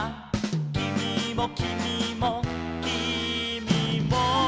「きみもきみもきみも」